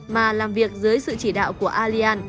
mà làm việc dưới sự chỉ đạo của alian